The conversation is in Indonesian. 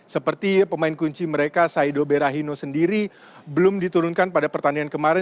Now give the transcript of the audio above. seperti pemain kunci mereka saido berahino sendiri belum diturunkan pada pertandingan kemarin